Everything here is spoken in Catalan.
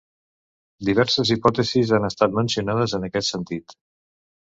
Diverses hipòtesis han estat mencionades en aquest sentit.